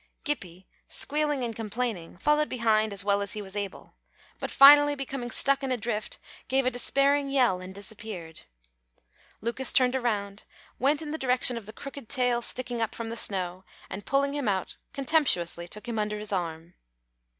Gippie, squealing and complaining, followed behind as well as he was able, but finally, becoming stuck in a drift, gave a despairing yell and disappeared. Lucas turned around, went in the direction of the crooked tail sticking up from the snow, and pulling him out, contemptuously took him under his arm.